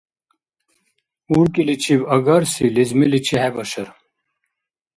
УркӀиличиб агарси лезмиличи хӀебашар.